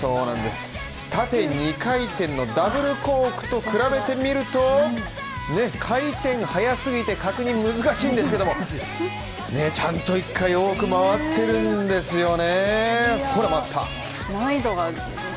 縦２回転のダブルコークと比べてみると回転早すぎて確認難しいんですけどもねちゃんと１回多く回ってるんですよね。